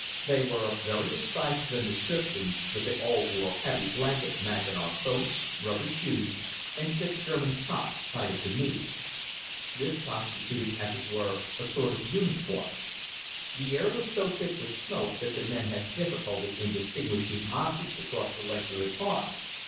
They were of various sizes and descriptions, but they all wore heavy blanket mackinaw coats, rubber shoes, and thick German socks tied at the knee. This constituted, as it were, a sort of uniform. The air was so thick with smoke that the men had difficulty in distinguishing objects across the length of the car.